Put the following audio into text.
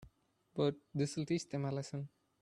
But this'll teach them a lesson.